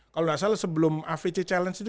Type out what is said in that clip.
kalau enggak salah sebelum avc challenge